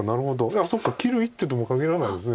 いやそっか切る一手ともかぎらないです。